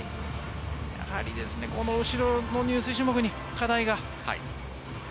やはりこの後ろの入水種目に課題が。